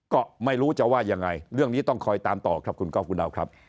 ก็ไม่รู้จะว่ายังไงเรื่องนี้ต้องคอยตามต่อครับคุณก๊อฟคุณดาวครับ